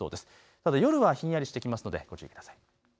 ただ夜はひんやりしてきますのでご注意ください。